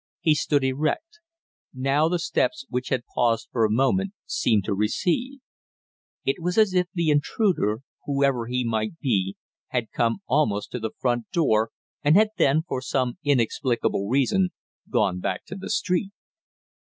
He stood erect: now the steps which had paused for a moment seemed to recede; it was as if the intruder, whoever he might be, had come almost to the front door and had then, for some inexplicable reason, gone back to the street.